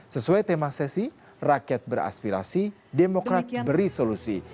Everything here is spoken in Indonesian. sesuai tema sesi rakyat beraspirasi demokrat beri solusi